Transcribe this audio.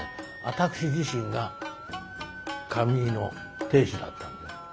私自身が髪結いの亭主だったんです。